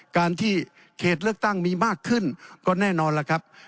การที่เขตเลือกตั้งมีมากขึ้นก็แน่นอนล่ะครับ